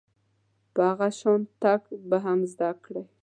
په هغه شان تګ به هم زده کړئ .